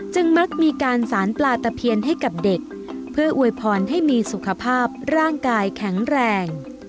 มักมีการสารปลาตะเพียนให้กับเด็กเพื่ออวยพรให้มีสุขภาพร่างกายแข็งแรง